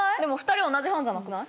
２人同じ班じゃなくない？